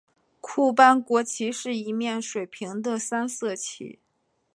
库班国旗是一面水平的三色旗。